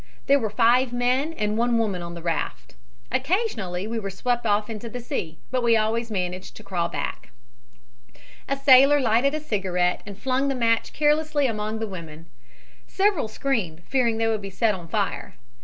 There were five men and one woman on the raft. Occasionally we were swept off into the sea, but always managed to crawl back. "A sailor lighted a cigarette and flung the match carelessly among the women. Several screamed, fearing they would be set on fire.